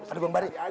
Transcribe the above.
aduh bang bari